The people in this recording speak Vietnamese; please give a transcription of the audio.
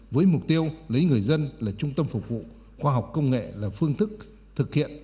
với mục tiêu lấy người dân là trung tâm phục vụ khoa học công nghệ là phương thức thực hiện